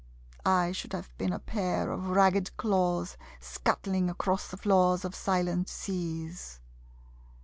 I should have been a pair of ragged claws Scuttling across the floors of silent seas.